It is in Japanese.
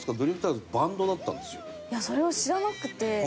いやそれを知らなくて。